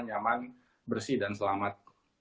nyaman bersih dan selamat